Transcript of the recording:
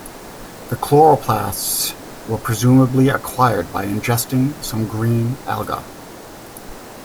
The chloroplasts were presumably acquired by ingesting some green alga.